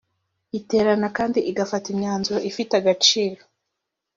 iterana kandi igafata imyanzuro ifite agaciro